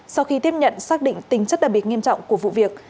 sau khi tiếp nhận xác định tính chất đặc biệt nghiêm trọng của vụ việc